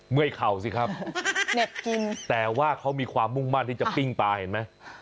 เมื่อยเข่าสิครับเหน็บกินแต่ว่าเขามีความมุ่งมั่นที่จะปิ้งปลาเห็นไหม